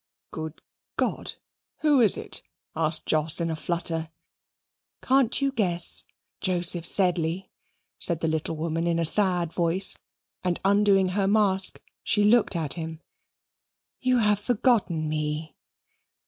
"Good God, who is it?" asked Jos in a flutter. "Can't you guess, Joseph Sedley?" said the little woman in a sad voice, and undoing her mask, she looked at him. "You have forgotten me."